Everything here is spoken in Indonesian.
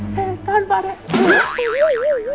setan pak raiet